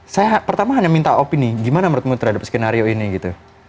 saya pertama hanya minta opini gimana menurutmu terhadap skenario ini gitu